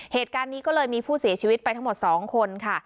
เหตุการณ์นี้ก็เลยมีผู้เสียชีวิตไปทั้งหมด๒คนค่ะ